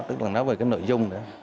tức là nói về cái nội dung đó